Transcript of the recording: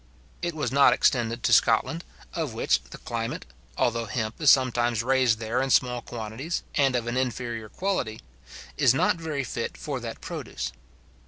It was not extended to Scotland, of which the climate (although hemp is sometimes raised there in small quantities, and of an inferior quality) is not very fit for that produce.